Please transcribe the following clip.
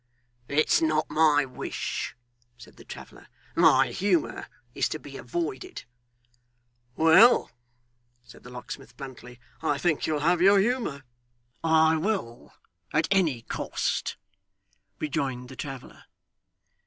'It's not my wish,' said the traveller. 'My humour is to be avoided.' 'Well,' said the locksmith bluntly, 'I think you'll have your humour.' 'I will, at any cost,' rejoined the traveller.